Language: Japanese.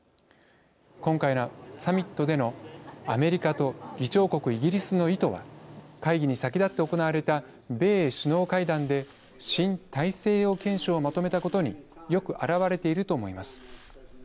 今回のサミットでのアメリカと議長国、イギリスの意図は会議に先立って行われた米英首脳会談で新大西洋憲章をまとめたことによく表れていると思います。